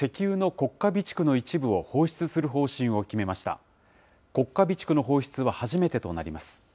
国家備蓄の放出は初めてとなります。